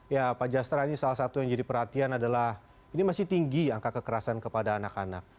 ya pak jastra ini salah satu yang jadi perhatian adalah ini masih tinggi angka kekerasan kepada anak anak